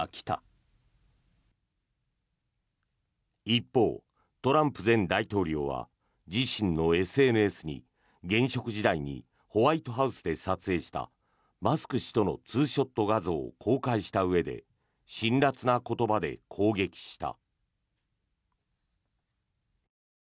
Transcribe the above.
一方、トランプ前大統領は自身のＳＮＳに現職時代にホワイトハウスで撮影したマスク氏とのツーショット画像を公開したうえで辛らつな言葉で攻撃した。